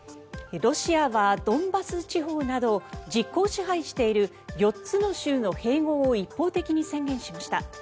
ロシアはドンバス地方など実効支配している４つの州の併合を一方的に宣言しました。